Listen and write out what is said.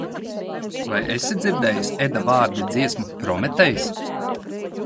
Vai esi dzirdējis Edavārdi dziesmu "Prometejs"?